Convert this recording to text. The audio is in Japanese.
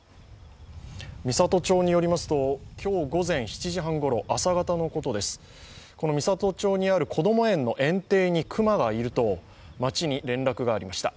美郷町によりますと、今日午前７時半ごろ、朝方のことです、この美里町にあるこども園の園庭に熊がいると町に連絡がありました。